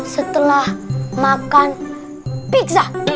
setelah makan pizza